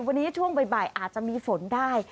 วันนี้ช่วงบ่ายอาจจะมีฝนได้